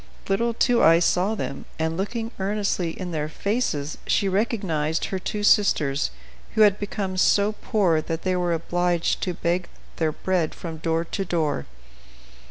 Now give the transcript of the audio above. Little Two Eyes saw them, and, looking earnestly in their faces, she recognized her two sisters, who had become so poor that they were obliged to beg their bread from door to door.